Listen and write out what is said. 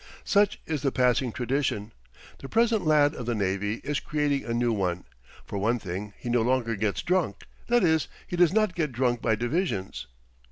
Such is the passing tradition. The present lad of the navy is creating a new one. For one thing, he no longer gets drunk that is, he does not get drunk by divisions.